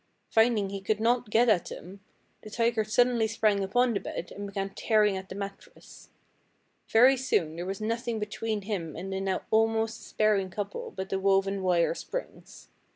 Finding he could not get at them, the tiger suddenly sprang upon the bed and began tearing at the mattress. Very soon there was nothing between him and the now almost despairing couple but the woven wire springs.